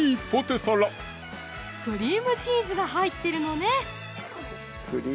クリームチーズが入ってるのね